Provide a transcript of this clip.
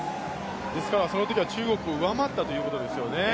そのときは中国上回ったということですよね。